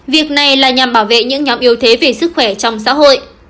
việc này là nhằm bảo vệ những nhóm yếu thế về sức khỏe trong xã hội